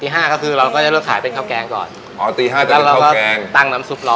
ตีห้าก็คือเราก็จะเริ่มขายเป็นข้าวแกงก่อนอ๋อตีห้าจะเป็นข้าวแกงแล้วเราก็ตั้งน้ำซุปรอ